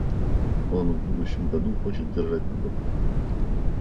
Он в будущем году хочет держать на доктора.